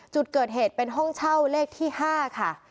จุดเกิดเหตุเป็นห้องเช่าเลขที่๕ค่ะ